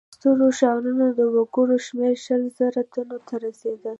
د سترو ښارونو د وګړو شمېر شل زره تنو ته رسېده.